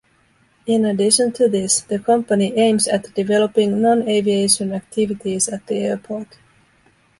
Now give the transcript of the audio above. In addition to this, the Company aims at developing non-aviation activities at the airport.